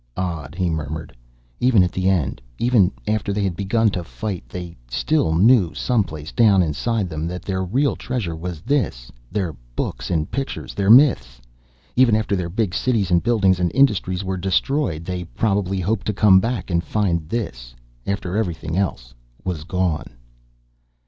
"Odd," he murmured. "Even at the end, even after they had begun to fight they still knew, someplace down inside them, that their real treasure was this, their books and pictures, their myths. Even after their big cities and buildings and industries were destroyed they probably hoped to come back and find this. After everything else was gone."